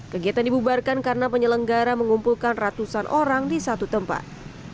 kegiatan dibubarkan karena penyelenggara mengumpulkan ratusan orang di satu tempat